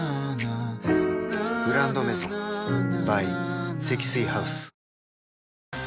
「グランドメゾン」ｂｙ 積水ハウス